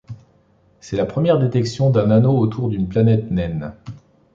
C'est la première détection d'un anneau autour d'une planète naine.